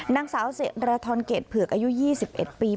นางสาวเศรษฐรทรเกตเผือกอายุ๒๑ปี